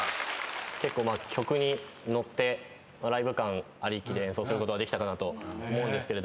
結構まあ曲に乗ってライブ感ありきで演奏することができたかなと思うんですけれども。